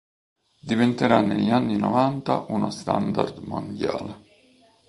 Diventerà negli anni novanta uno standard mondiale.